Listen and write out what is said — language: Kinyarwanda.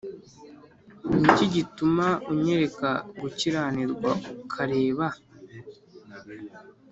Ni iki gituma unyereka gukiranirwa ukareba